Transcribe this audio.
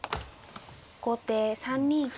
後手３二金。